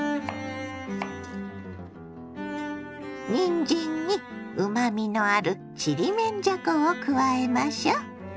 にんじんにうまみのあるちりめんじゃこを加えましょ。